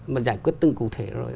mà giải quyết từng cụ thể rồi